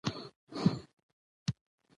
مېلې د رنګارنګ کلتور یوه ښکلا ده.